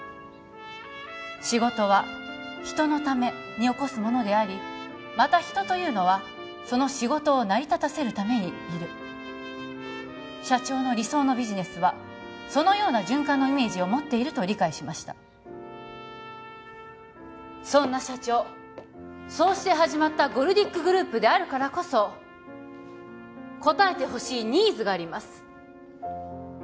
仕事は「人のため」に起こすものでありまた人というのはその仕事を成り立たせるために「いる」社長の理想のビジネスはそのような循環のイメージを持っていると理解しましたそんな社長そうして始まったゴルディックグループであるからこそ応えてほしいニーズがあります